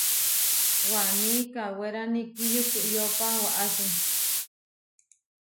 Waní kawérani kiyúkoyopa waʼási.